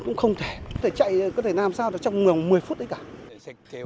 cũng không thể có thể chạy có thể làm sao đó trong vòng một mươi phút đấy cả